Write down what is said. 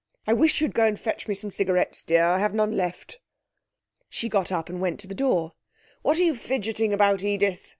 I wish you'd go and fetch me some cigarettes, dear. I have none left.' She got up and went to the door. 'What are you fidgeting about, Edith?'